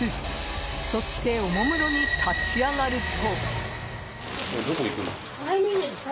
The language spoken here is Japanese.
そしておもむろに立ち上がると。